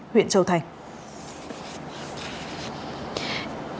huyện châu thành